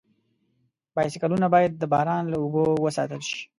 بایسکلونه باید د باران له اوبو وساتل شي.